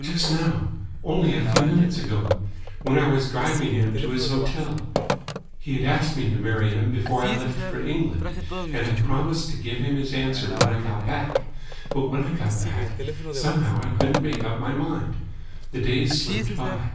"Just now. Only a few minutes ago. When I was driving him to his hotel. He had asked me to marry him before I left for England, and I had promised to give him his answer when I got back. But when I got back, somehow I couldn't make up my mind. The days slipped by.